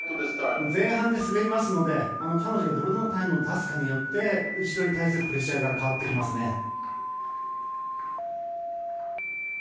前半で滑りますので彼女がどれだけのタイムを出すかによって後ろに対するプレッシャーが変わってきますね。